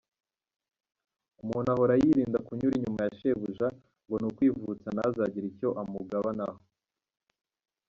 Umuntu ahora yirinda kunyura inyuma ya shebuja ngo ni ukwivutsa ntazagire icyo amugabanaho.